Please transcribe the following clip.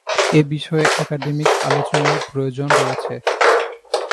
এ বিষয়ে একাডেমিক আলোচনার প্রয়োজন রয়েছে।